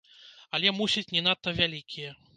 Але, мусіць, не надта вялікія.